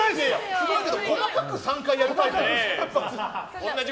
すごいけど細かく３回やるタイプですか。